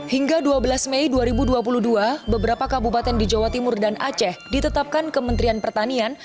hingga dua belas mei dua ribu dua puluh dua beberapa kabupaten di jawa timur dan aceh ditetapkan kementerian pertanian